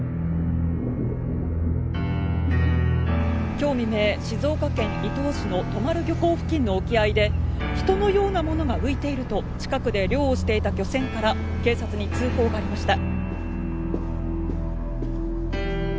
今日未明静岡県伊東市の富丸漁港付近の沖合で「人のようなものが浮いている」と近くで漁をしていた漁船から警察に通報がありました。